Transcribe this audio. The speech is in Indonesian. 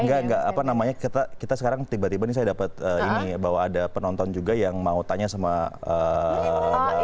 enggak enggak apa namanya kita sekarang tiba tiba nih saya dapat ini bahwa ada penonton juga yang mau tanya sama bapak